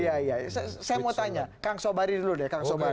saya mau tanya kang sobari dulu deh